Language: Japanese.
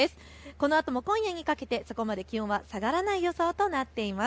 このあとも今夜にかけてそこまで気温は下がらない予想となっています。